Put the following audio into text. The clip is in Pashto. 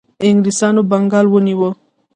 انګلیسانو بنګال ونیو.